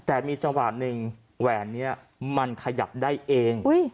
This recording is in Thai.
แต่มีจังหวะหนึ่งแหวนนี้มันขยับได้เอง